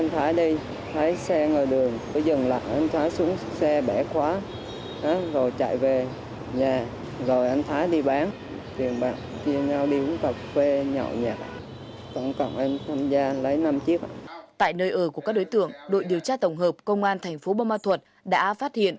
tại nơi ở của các đối tượng đội điều tra tổng hợp công an thành phố bô ma thuật đã phát hiện